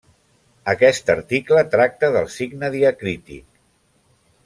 Aquest article tracta del signe diacrític.